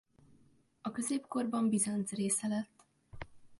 A középkorban Bizánc része lett.